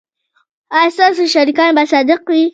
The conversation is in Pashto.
ایا ستاسو شریکان به صادق وي؟